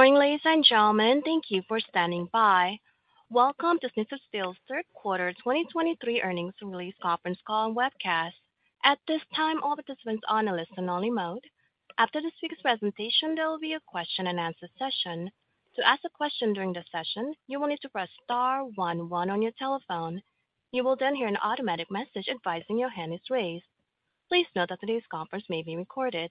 Good morning, ladies and gentlemen. Thank you for standing by. Welcome to Schnitzer Steel's third quarter, 2023 earnings release conference call and webcast. At this time, all participants on a listen-only mode. After this week's presentation, there will be a question-and-answer session. To ask a question during the session, you will need to press star one on your telephone. You will then hear an automatic message advising your hand is raised. Please note that today's conference may be recorded.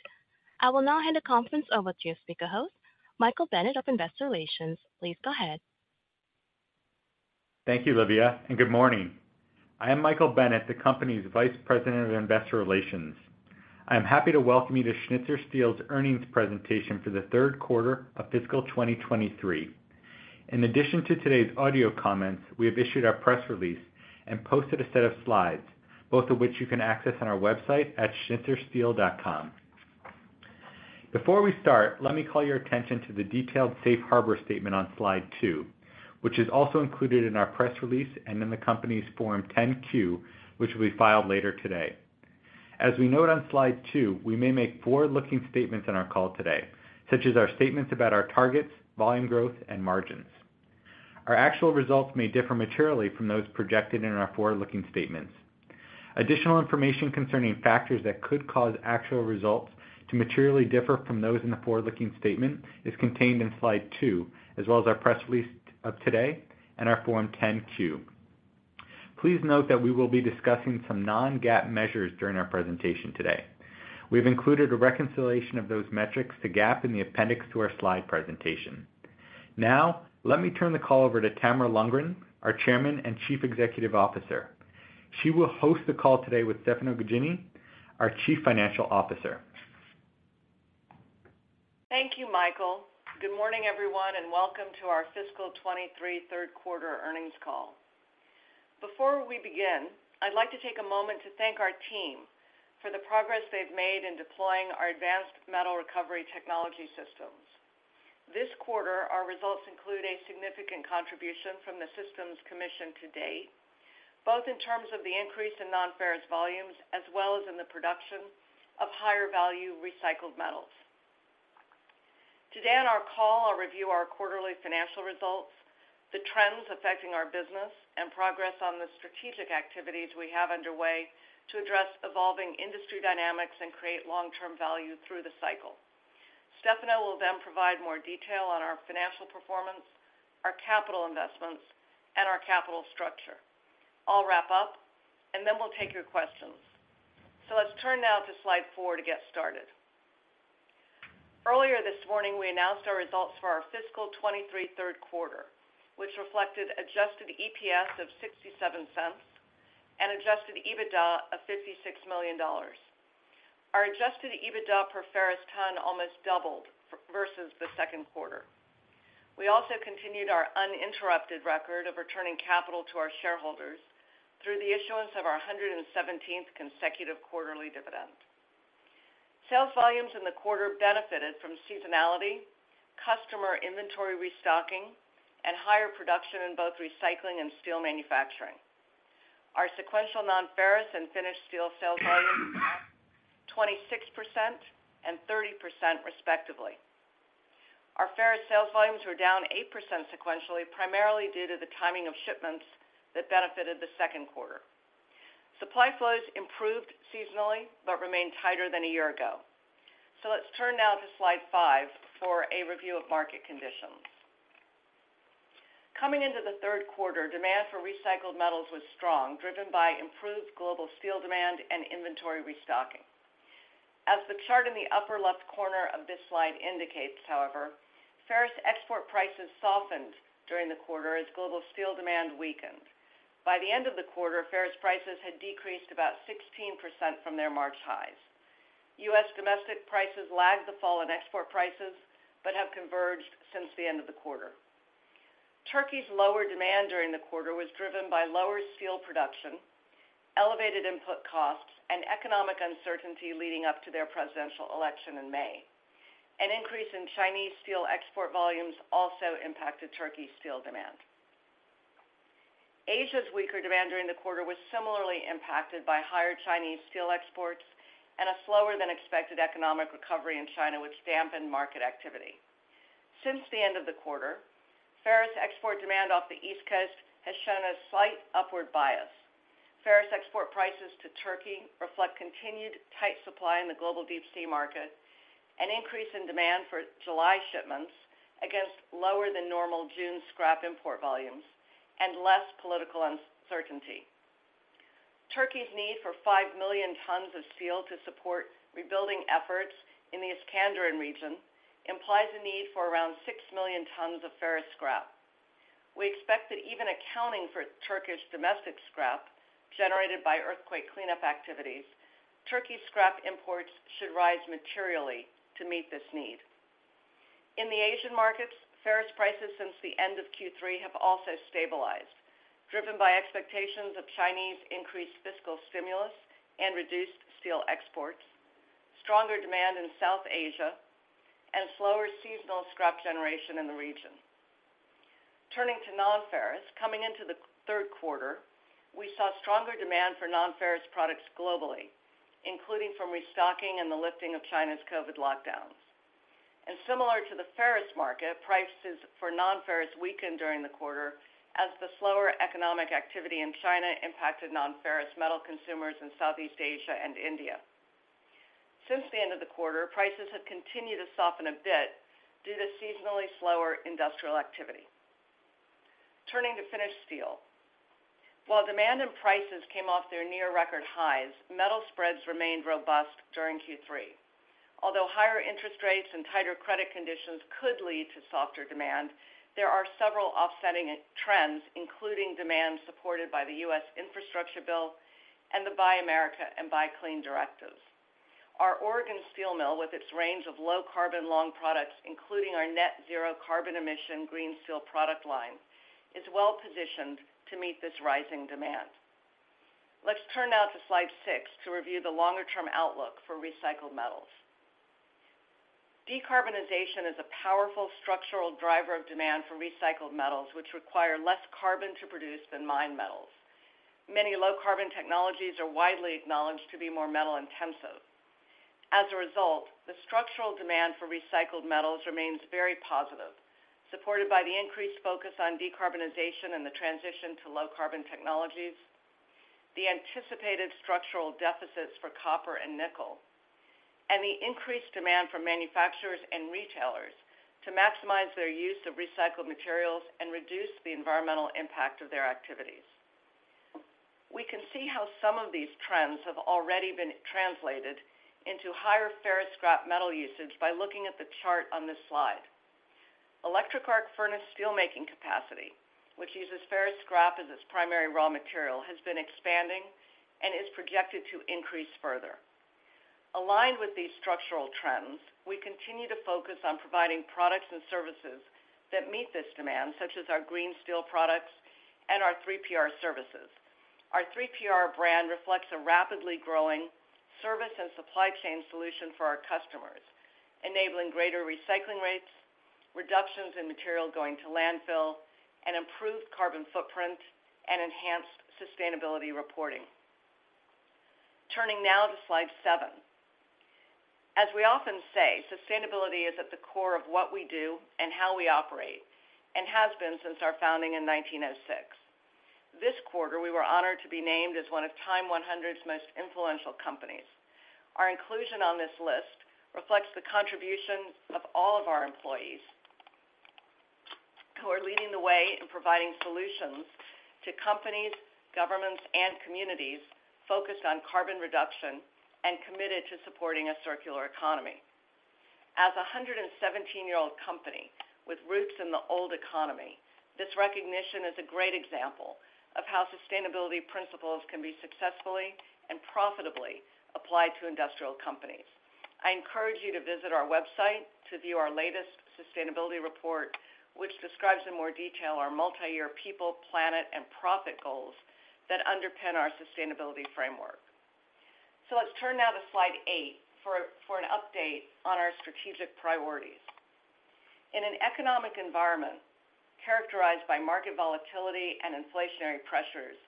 I will now hand the conference over to your speaker host, Michael Bennett, of Investor Relations. Please go ahead. Thank you, Livia. Good morning. I am Michael Bennett, the company's Vice President of Investor Relations. I am happy to welcome you to Schnitzer Steel's earnings presentation for the third quarter of fiscal 2023. In addition to today's audio comments, we have issued our press release and posted a set of slides, both of which you can access on our website at schnitzersteel.com. Before we start, let me call your attention to the detailed Safe Harbor statement on slide two, which is also included in our press release and in the company's Form 10-Q, which will be filed later today. As we note on slide two, we may make forward-looking statements on our call today, such as our statements about our targets, volume growth, and margins. Our actual results may differ materially from those projected in our forward-looking statements. Additional information concerning factors that could cause actual results to materially differ from those in the forward-looking statement is contained in slide two, as well as our press release of today and our Form 10-Q. Please note that we will be discussing some non-GAAP measures during our presentation today. We've included a reconciliation of those metrics to GAAP in the appendix to our slide presentation. Let me turn the call over to Tamara Lundgren, our Chairman and Chief Executive Officer. She will host the call today with Stefano Gaggini, our Chief Financial Officer. Thank you, Michael Bennett. Good morning, everyone. Welcome to our fiscal 2023 third-quarter earnings call. Before we begin, I'd like to take a moment to thank our team for the progress they've made in deploying our advanced metal recovery technology systems. This quarter, our results include a significant contribution from the systems commissioned to date, both in terms of the increase in nonferrous volumes as well as in the production of higher-value recycled metals. Today on our call, I'll review our quarterly financial results, the trends affecting our business, and progress on the strategic activities we have underway to address evolving industry dynamics and create long-term value through the cycle. Stefano Gaggini will provide more detail on our financial performance, our capital investments, and our capital structure. I'll wrap up. We'll take your questions. Let's turn now to slide four to get started. Earlier this morning, we announced our results for our fiscal 2023 third quarter, which reflected adjusted EPS of $0.67 and adjusted EBITDA of $56 million. Our adjusted EBITDA per ferrous ton almost doubled versus the second quarter. We also continued our uninterrupted record of returning capital to our shareholders through the issuance of our 117th consecutive quarterly dividend. Sales volumes in the quarter benefited from seasonality, customer inventory restocking, and higher production in both recycling and steel manufacturing. Our sequential nonferrous and finished steel sales volumes were up 26% and 30%, respectively. Our ferrous sales volumes were down 8% sequentially, primarily due to the timing of shipments that benefited the second quarter. Supply flows improved seasonally but remained tighter than a year ago. Let's turn now to slide five for a review of market conditions. Coming into the third quarter, demand for recycled metals was strong, driven by improved global steel demand and inventory restocking. As the chart in the upper left corner of this slide indicates, however, ferrous export prices softened during the quarter as global steel demand weakened. By the end of the quarter, ferrous prices had decreased about 16% from their March highs. U.S. domestic prices lagged the fall in export prices but have converged since the end of the quarter. Turkey's lower demand during the quarter was driven by lower steel production, elevated input costs, and economic uncertainty leading up to their presidential election in May. An increase in Chinese steel export volumes also impacted Turkey's steel demand. Asia's weaker demand during the quarter was similarly impacted by higher Chinese steel exports and a slower-than-expected economic recovery in China, which dampened market activity. Since the end of the quarter, ferrous export demand off the East Coast has shown a slight upward bias. Ferrous export prices to Turkey reflect continued tight supply in the global deep-sea market, an increase in demand for July shipments against lower-than-normal June scrap import volumes, and less political uncertainty. Turkey's need for five million tons of steel to support rebuilding efforts in the Iskenderun region implies a need for around six million tons of ferrous scrap. We expect that even accounting for Turkish domestic scrap generated by earthquake cleanup activities, Turkey's scrap imports should rise materially to meet this need. In the Asian markets, ferrous prices since the end of Q3 have also stabilized, driven by expectations of Chinese increased fiscal stimulus and reduced steel exports, stronger demand in South Asia, and slower seasonal scrap generation in the region.... Turning to non-ferrous, coming into the third quarter, we saw stronger demand for non-ferrous products globally, including from restocking and the lifting of China's COVID lockdowns. Similar to the ferrous market, prices for non-ferrous weakened during the quarter as the slower economic activity in China impacted non-ferrous metal consumers in Southeast Asia and India. Since the end of the quarter, prices have continued to soften a bit due to seasonally slower industrial activity. Turning to finished steel. While demand and prices came off their near record highs, metal spreads remained robust during Q3. Although higher interest rates and tighter credit conditions could lead to softer demand, there are several offsetting trends, including demand supported by the U.S. Infrastructure Bill and the Buy America and Buy Clean directives. Our Oregon steel mill, with its range of low-carbon long products, including our net zero carbon emission green steel product line, is well-positioned to meet this rising demand. Let's turn now to Slide six to review the longer-term outlook for recycled metals. Decarbonization is a powerful structural driver of demand for recycled metals, which require less carbon to produce than mined metals. Many low-carbon technologies are widely acknowledged to be more metal-intensive. As a result, the structural demand for recycled metals remains very positive, supported by the increased focus on decarbonization and the transition to low-carbon technologies, the anticipated structural deficits for copper and nickel, and the increased demand from manufacturers and retailers to maximize their use of recycled materials and reduce the environmental impact of their activities. We can see how some of these trends have already been translated into higher ferrous scrap metal usage by looking at the chart on this slide. Electric arc furnace steelmaking capacity, which uses ferrous scrap as its primary raw material, has been expanding and is projected to increase further. Aligned with these structural trends, we continue to focus on providing products and services that meet this demand, such as our GRN Steel products and our 3PR services. Our 3PR brand reflects a rapidly growing service and supply chain solution for our customers, enabling greater recycling rates, reductions in material going to landfill, an improved carbon footprint, and enhanced sustainability reporting. Turning now to Slide seven. As we often say, sustainability is at the core of what we do and how we operate, has been since our founding in 1906. This quarter, we were honored to be named as one of TIME100's Most Influential Companies. Our inclusion on this list reflects the contribution of all of our employees, who are leading the way in providing solutions to companies, governments, and communities focused on carbon reduction and committed to supporting a circular economy. As a 117-year-old company with roots in the old economy, this recognition is a great example of how sustainability principles can be successfully and profitably applied to industrial companies. I encourage you to visit our website to view our latest sustainability report, which describes in more detail our multi-year people, planet, and profit goals that underpin our sustainability framework. Let's turn now to Slide eight for an update on our strategic priorities. In an economic environment characterized by market volatility and inflationary pressures,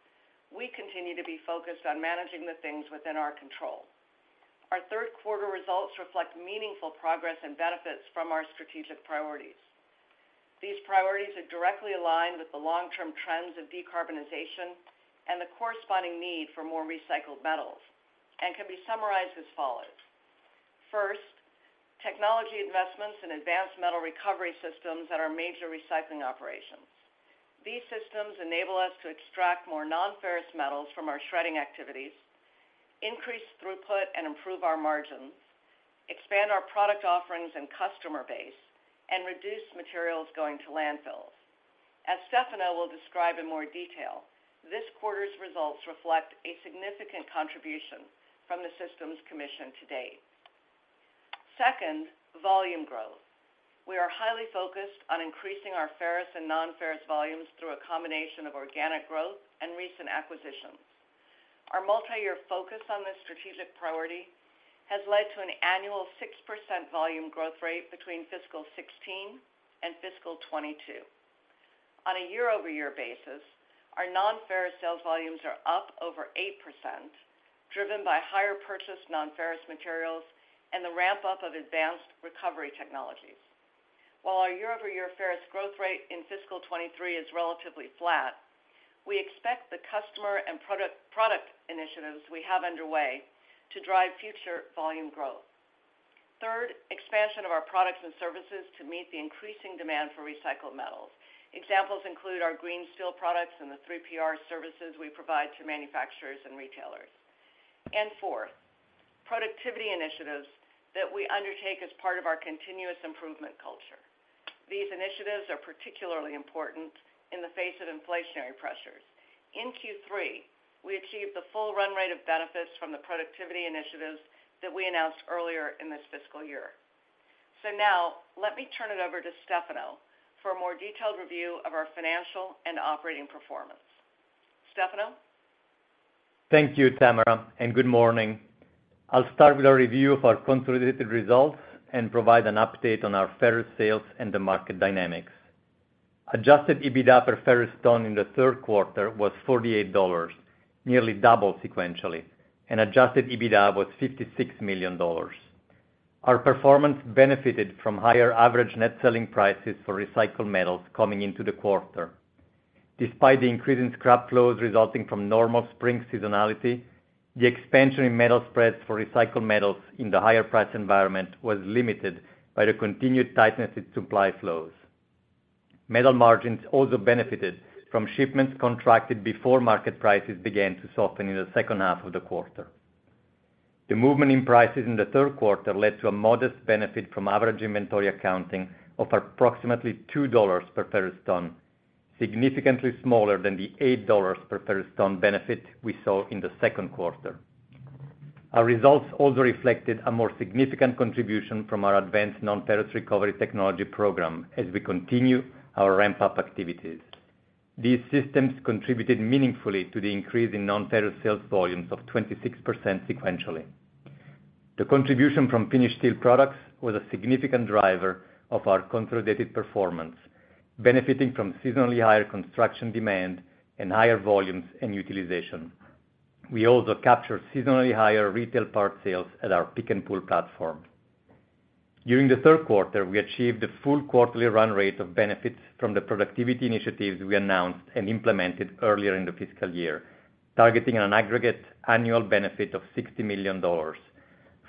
we continue to be focused on managing the things within our control. Our third quarter results reflect meaningful progress and benefits from our strategic priorities. These priorities are directly aligned with the long-term trends of decarbonization and the corresponding need for more recycled metals, and can be summarized as follows: First, technology investments in advanced metal recovery systems at our major recycling operations. These systems enable us to extract more non-ferrous metals from our shredding activities, increase throughput and improve our margins, expand our product offerings and customer base, and reduce materials going to landfills. As Stefano will describe in more detail, this quarter's results reflect a significant contribution from the systems commissioned to date. Second, volume growth. We are highly focused on increasing our ferrous and non-ferrous volumes through a combination of organic growth and recent acquisitions. Our multi-year focus on this strategic priority has led to an annual 6% volume growth rate between fiscal 2016 and fiscal 2022. On a year-over-year basis, our non-ferrous sales volumes are up over 8%, driven by higher purchase non-ferrous materials and the ramp-up of advanced recovery technologies. While our year-over-year ferrous growth rate in fiscal 2023 is relatively flat, we expect the customer and product initiatives we have underway to drive future volume growth. Third, expansion of our products and services to meet the increasing demand for recycled metals. Examples include our GRN Steel products and the 3PR services we provide to manufacturers and retailers. Fourth, productivity initiatives that we undertake as part of our continuous improvement culture. These initiatives are particularly important in the face of inflationary pressures. In Q3, we achieved the full run rate of benefits from the productivity initiatives that we announced earlier in this fiscal year. Now let me turn it over to Stefano for a more detailed review of our financial and operating performance. Stefano? Thank you, Tamara, good morning. I'll start with a review of our consolidated results and provide an update on our ferrous sales and the market dynamics. Adjusted EBITDA per ferrous ton in the third quarter was $48, nearly double sequentially, and adjusted EBITDA was $56 million. Our performance benefited from higher average net selling prices for recycled metals coming into the quarter. Despite the increase in scrap flows resulting from normal spring seasonality, the expansion in metal spreads for recycled metals in the higher price environment was limited by the continued tightness in supply flows. Metal margins also benefited from shipments contracted before market prices began to soften in the second half of the quarter. The movement in prices in the third quarter led to a modest benefit from average inventory accounting of approximately $2 per ferrous ton, significantly smaller than the $8 per ferrous ton benefit we saw in the second quarter. Our results also reflected a more significant contribution from our advanced non-ferrous recovery technology program as we continue our ramp-up activities. These systems contributed meaningfully to the increase in non-ferrous sales volumes of 26% sequentially. The contribution from finished steel products was a significant driver of our consolidated performance, benefiting from seasonally higher construction demand and higher volumes and utilization. We also captured seasonally higher retail part sales at our Pick-n-Pull platform. During the third quarter, we achieved a full quarterly run rate of benefits from the productivity initiatives we announced and implemented earlier in the fiscal year, targeting an aggregate annual benefit of $60 million,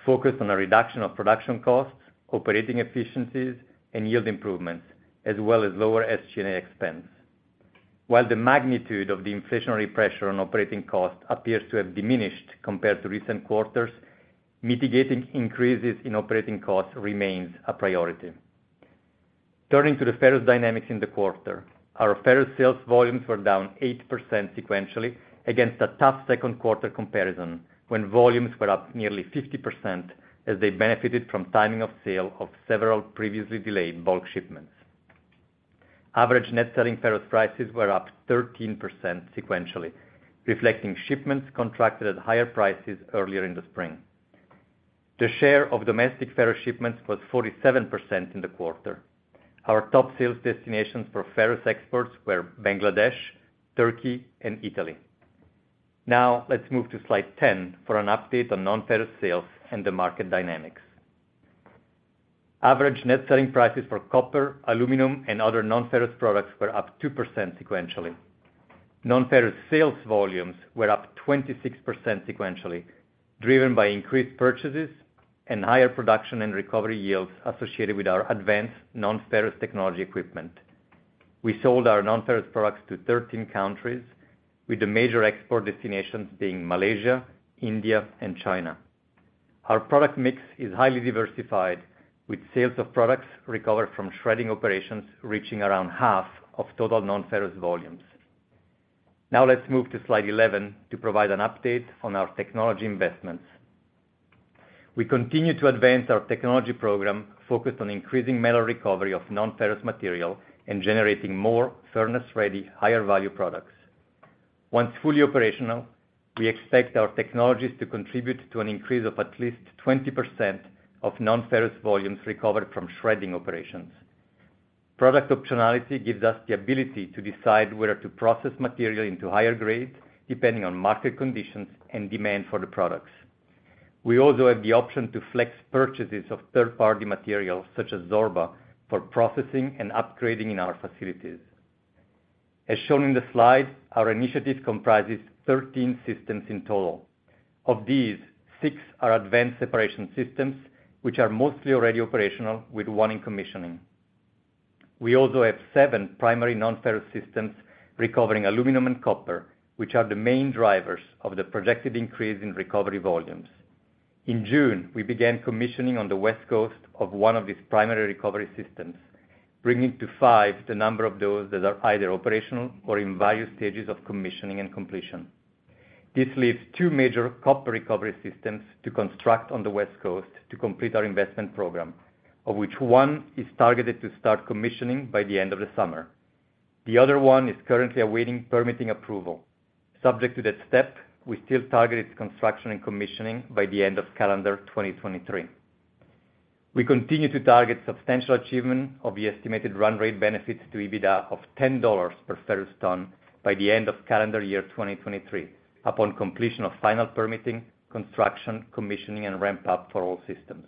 focused on a reduction of production costs, operating efficiencies, and yield improvements, as well as lower SG&A expense. While the magnitude of the inflationary pressure on operating costs appears to have diminished compared to recent quarters, mitigating increases in operating costs remains a priority. Turning to the ferrous dynamics in the quarter, our ferrous sales volumes were down 8% sequentially against a tough second quarter comparison, when volumes were up nearly 50% as they benefited from timing of sale of several previously delayed bulk shipments. Average net selling ferrous prices were up 13% sequentially, reflecting shipments contracted at higher prices earlier in the spring. The share of domestic ferrous shipments was 47% in the quarter. Our top sales destinations for ferrous exports were Bangladesh, Turkey, and Italy. Now, let's move to slide ten for an update on non-ferrous sales and the market dynamics. Average net selling prices for copper, aluminum, and other non-ferrous products were up 2% sequentially. Non-ferrous sales volumes were up 26% sequentially, driven by increased purchases and higher production and recovery yields associated with our advanced non-ferrous technology equipment. We sold our non-ferrous products to 13 countries, with the major export destinations being Malaysia, India, and China. Our product mix is highly diversified, with sales of products recovered from shredding operations reaching around half of total non-ferrous volumes. Now let's move to slide 11 to provide an update on our technology investments. We continue to advance our technology program, focused on increasing metal recovery of non-ferrous material and generating more furnace-ready, higher-value products. Once fully operational, we expect our technologies to contribute to an increase of at least 20% of non-ferrous volumes recovered from shredding operations. Product optionality gives us the ability to decide whether to process material into higher grades, depending on market conditions and demand for the products. We also have the option to flex purchases of third-party materials, such as Zorba, for processing and upgrading in our facilities. As shown in the slide, our initiative comprises 13 systems in total. Of these, six are advanced separation systems, which are mostly already operational, with one in commissioning. We also have seven primary non-ferrous systems recovering aluminum and copper, which are the main drivers of the projected increase in recovery volumes. In June, we began commissioning on the West Coast of one of these primary recovery systems, bringing to five the number of those that are either operational or in various stages of commissioning and completion. This leaves two major copper recovery systems to construct on the West Coast to complete our investment program, of which one is targeted to start commissioning by the end of the summer. The other one is currently awaiting permitting approval. Subject to that step, we still target its construction and commissioning by the end of calendar 2023. We continue to target substantial achievement of the estimated run rate benefits to EBITDA of $10 per ferrous ton by the end of calendar year 2023, upon completion of final permitting, construction, commissioning, and ramp-up for all systems.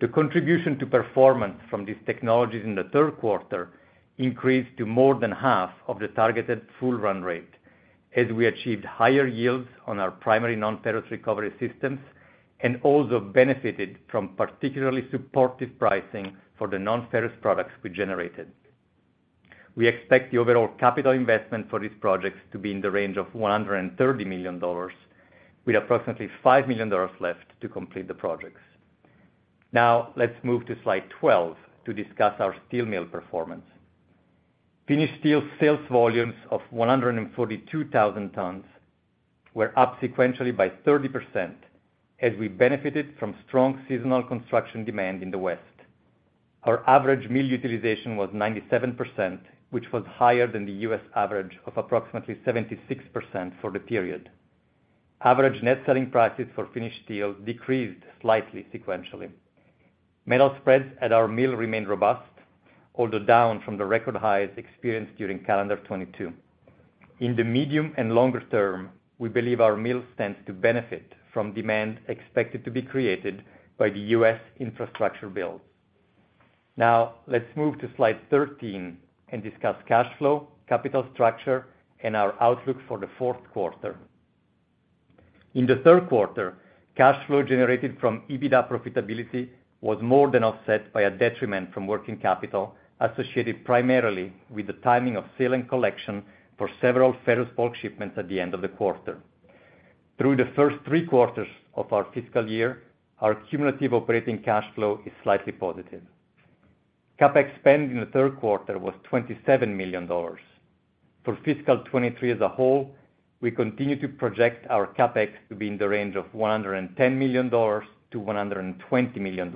The contribution to performance from these technologies in the third quarter increased to more than half of the targeted full run rate, as we achieved higher yields on our primary non-ferrous recovery systems and also benefited from particularly supportive pricing for the non-ferrous products we generated. We expect the overall capital investment for these projects to be in the range of $130 million, with approximately $5 million left to complete the projects. Let's move to slide 12 to discuss our steel mill performance. Finished steel sales volumes of 142,000 tons were up sequentially by 30%, as we benefited from strong seasonal construction demand in the West. Our average mill utilization was 97%, which was higher than the U.S. average of approximately 76% for the period. Average net selling prices for finished steel decreased slightly sequentially. Metal spreads at our mill remained robust, although down from the record highs experienced during calendar 2022. In the medium and longer term, we believe our mill stands to benefit from demand expected to be created by the U.S. infrastructure build. Let's move to slide 13 and discuss cash flow, capital structure, and our outlook for the fourth quarter. In the third quarter, cash flow generated from EBITDA profitability was more than offset by a detriment from working capital, associated primarily with the timing of sale and collection for several ferrous bulk shipments at the end of the quarter. Through the first three quarters of our fiscal year, our cumulative operating cash flow is slightly positive. CapEx spend in the third quarter was $27 million. For fiscal 2023 as a whole, we continue to project our CapEx to be in the range of $110 million-$120 million.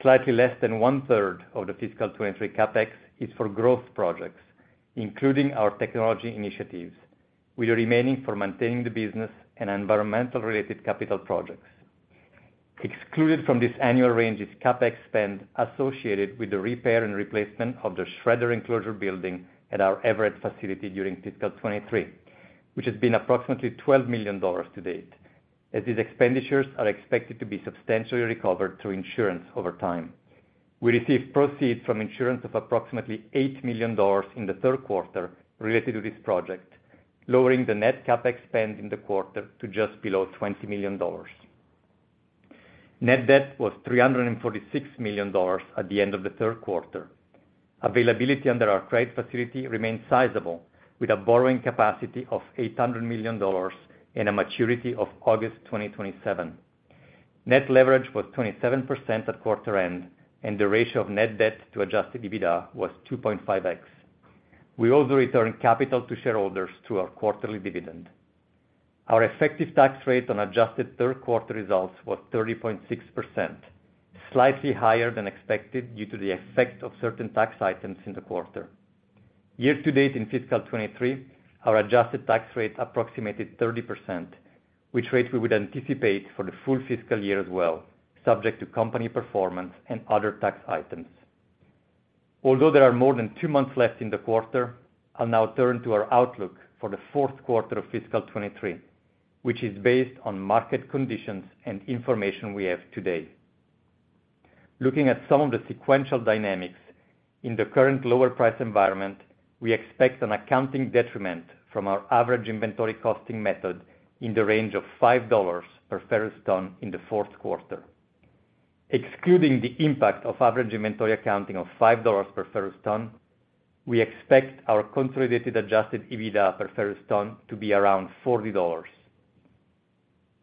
Slightly less than one-third of the fiscal 2023 CapEx is for growth projects, including our technology initiatives, with the remaining for maintaining the business and environmental-related capital projects. Excluded from this annual range is CapEx spend associated with the repair and replacement of the shredder enclosure building at our Everett facility during fiscal 2023, which has been approximately $12 million to date, as these expenditures are expected to be substantially recovered through insurance over time. We received proceeds from insurance of approximately $8 million in the third quarter related to this project, lowering the net CapEx spend in the quarter to just below $20 million. Net debt was $346 million at the end of the third quarter. Availability under our trade facility remains sizable, with a borrowing capacity of $800 million and a maturity of August 2027. Net leverage was 27% at quarter end, and the ratio of net debt to adjusted EBITDA was 2.5x. We also returned capital to shareholders through our quarterly dividend. Our effective tax rate on adjusted third quarter results was 30.6%, slightly higher than expected, due to the effect of certain tax items in the quarter. Year to date, in fiscal 2023, our adjusted tax rate approximated 30%, which rate we would anticipate for the full fiscal year as well, subject to company performance and other tax items. Although there are more than two months left in the quarter, I'll now turn to our outlook for the fourth quarter of fiscal 2023, which is based on market conditions and information we have today. Looking at some of the sequential dynamics in the current lower price environment, we expect an accounting detriment from our average inventory costing method in the range of $5 per ferrous ton in the fourth quarter. Excluding the impact of average inventory accounting of $5 per ferrous ton, we expect our consolidated adjusted EBITDA per ferrous ton to be around $40.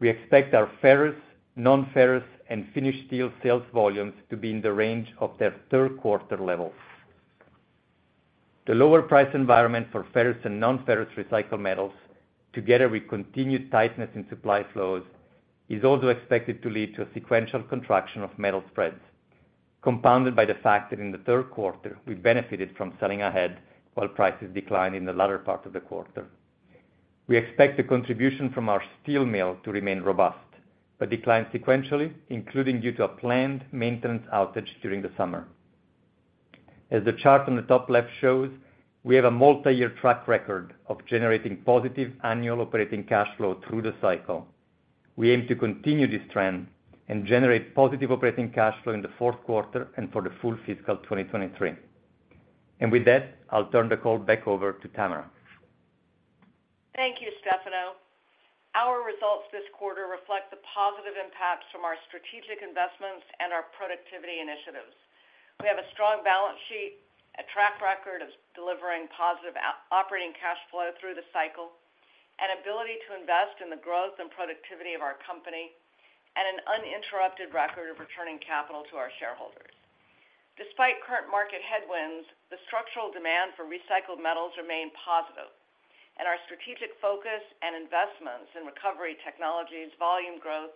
We expect our ferrous, non-ferrous, and finished steel sales volumes to be in the range of their third quarter levels. The lower price environment for ferrous and non-ferrous recycled metals, together with continued tightness in supply flows, is also expected to lead to a sequential contraction of metal spreads, compounded by the fact that in the third quarter, we benefited from selling ahead while prices declined in the latter part of the quarter. We expect the contribution from our steel mill to remain robust, but decline sequentially, including due to a planned maintenance outage during the summer. As the chart on the top left shows, we have a multiyear track record of generating positive annual operating cash flow through the cycle. We aim to continue this trend and generate positive operating cash flow in the fourth quarter and for the full fiscal 2023. With that, I'll turn the call back over to Tamara. Thank you, Stefano. Our results this quarter reflect the positive impacts from our strategic investments and our productivity initiatives. We have a strong balance sheet, a track record of delivering positive operating cash flow through the cycle, an ability to invest in the growth and productivity of our company, and an uninterrupted record of returning capital to our shareholders. Despite current market headwinds, the structural demand for recycled metals remain positive, and our strategic focus and investments in recovery technologies, volume growth,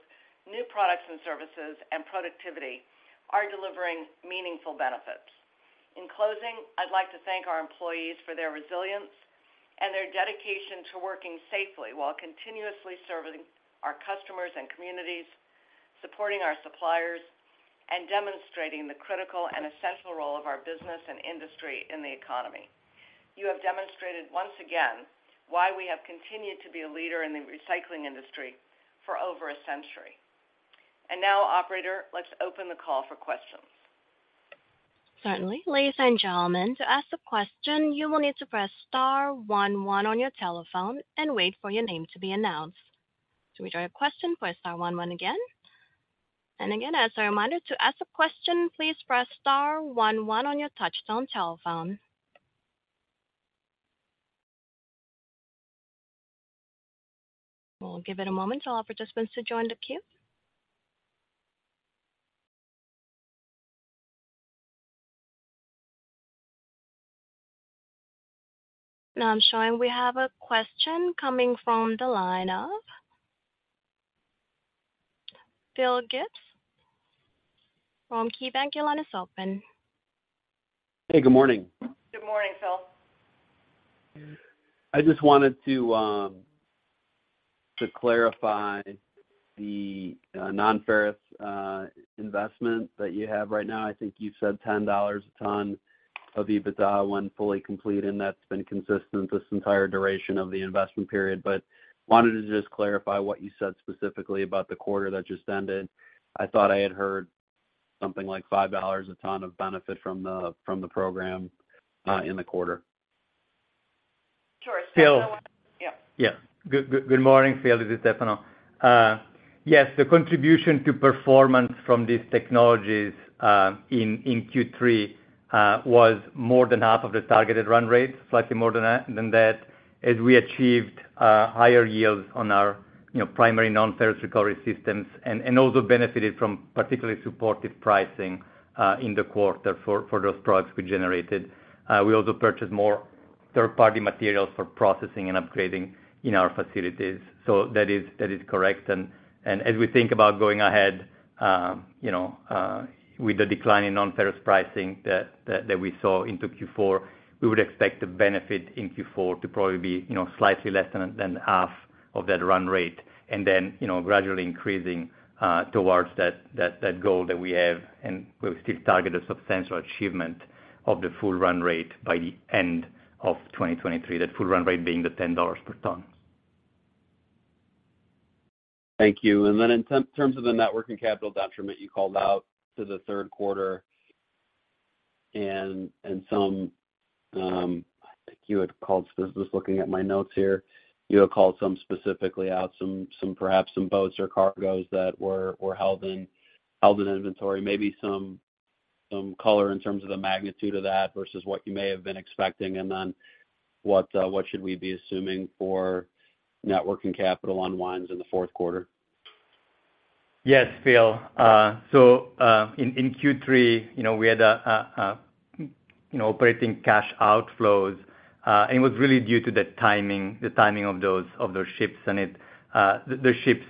new products and services, and productivity are delivering meaningful benefits. In closing, I'd like to thank our employees for their resilience and their dedication to working safely while continuously serving our customers and communities, supporting our suppliers, and demonstrating the critical and essential role of our business and industry in the economy. You have demonstrated once again why we have continued to be a leader in the recycling industry for over a century. Now, Operator, let's open the call for questions. Certainly. Ladies and gentlemen, to ask a question, you will need to press star one one on your telephone and wait for your name to be announced. To withdraw your question, press star one one again. Again, as a reminder, to ask a question, please press star one one on your touchtone telephone. We'll give it a moment to all participants to join the queue. I'm showing we have a question coming from the line of Phil Gibbs from KeyBanc. Your line is open. Hey, good morning. Good morning, Phil. I just wanted to clarify the non-ferrous investment that you have right now. I think you said $10 a ton of EBITDA when fully complete, and that's been consistent this entire duration of the investment period. Wanted to just clarify what you said specifically about the quarter that just ended. I thought I had heard something like $5 a ton of benefit from the program in the quarter. Sure. Phil? Yeah. Good morning, Phil. This is Stefano. Yes, the contribution to performance from these technologies in Q3 was more than half of the targeted run rate, slightly more than that, as we achieved higher yields on our, you know, primary non-ferrous recovery systems and also benefited from particularly supportive pricing in the quarter for those products we generated. We also purchased more third-party materials for processing and upgrading in our facilities. That is correct. As we think about going ahead, you know, with the decline in non-ferrous pricing that we saw into Q4, we would expect the benefit in Q4 to probably be, you know, slightly less than half of that run rate then, you know, gradually increasing towards that goal that we have. We still target a substantial achievement of the full run rate by the end of 2023, that full run rate being the $10 per ton. Thank you. In terms of the net working capital detriment, you called out to the third quarter and some, you had called some specifically out, some, perhaps some boats or cargoes that were held in inventory. Maybe some color in terms of the magnitude of that versus what you may have been expecting, what should we be assuming for net working capital unwinds in the fourth quarter? Yes, Phil. In Q3, you know, we had a, you know, operating cash outflows, and it was really due to the timing of those ships. The ships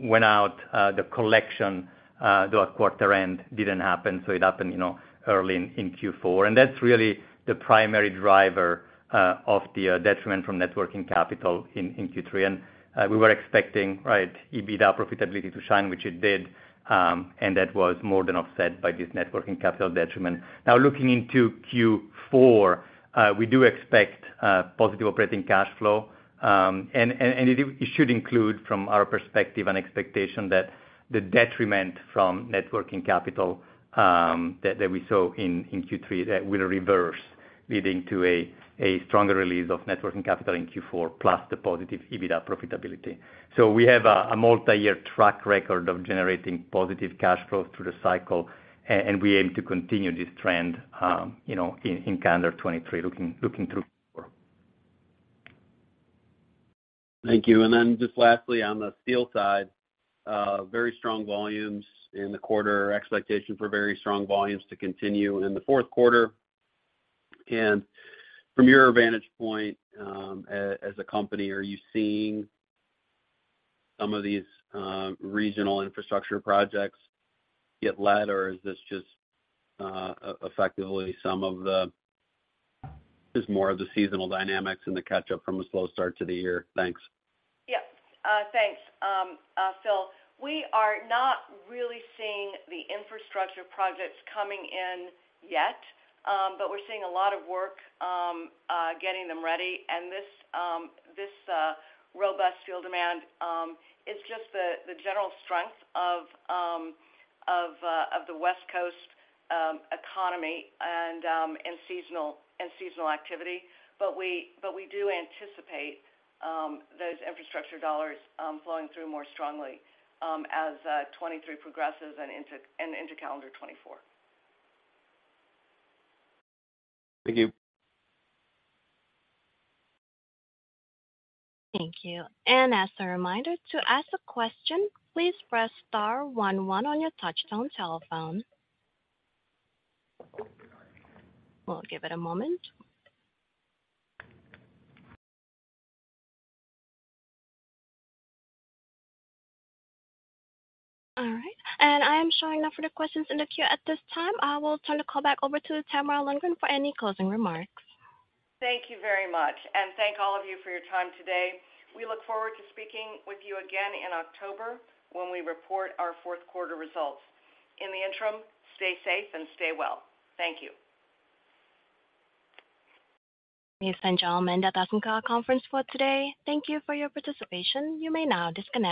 went out, the collection, though at quarter end, didn't happen, so it happened, you know, early in Q4. That's really the primary driver of the detriment from net working capital in Q3. We were expecting, right, EBITDA profitability to shine, which it did, and that was more than offset by this net working capital detriment. Now, looking into Q4, we do expect positive operating cash flow. It should include, from our perspective, an expectation that the detriment from net working capital, that we saw in Q3, that will reverse, leading to a stronger release of net working capital in Q4, plus the positive EBITDA profitability. We have a multi-year track record of generating positive cash flow through the cycle, and we aim to continue this trend, you know, in calendar 2023, looking through four. Thank you. Then just lastly, on the steel side, very strong volumes in the quarter. Expectation for very strong volumes to continue in the fourth quarter. From your vantage point, as a company, are you seeing some of these regional infrastructure projects get led, or is this just effectively some of the, just more of the seasonal dynamics and the catch-up from a slow start to the year? Thanks. Yeah. Thanks, Phil. We are not really seeing the infrastructure projects coming in yet, but we're seeing a lot of work getting them ready. This robust steel demand is just the general strength of the West Coast economy and seasonal activity. We do anticipate those infrastructure dollars flowing through more strongly as 2023 progresses and into calendar 2024. Thank you. Thank you. As a reminder, to ask a question, please press star one one on your touchtone telephone. We'll give it a moment. All right. I am showing now for the questions in the queue at this time, I will turn the call back over to Tamara Lundgren for any closing remarks. Thank you very much, thank all of you for your time today. We look forward to speaking with you again in October, when we report our fourth quarter results. In the interim, stay safe and stay well. Thank you. Ladies and gentlemen, that concludes our conference call today. Thank you for your participation. You may now disconnect.